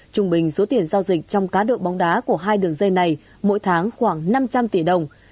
trung bình số tiền giao dịch trong cá độ bóng đá của hai đường dây này mỗi tháng khoảng năm trăm linh tỷ đồng